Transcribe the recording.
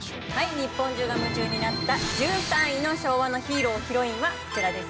日本中が夢中になった１３位の昭和のヒーロー＆ヒロインはこちらです。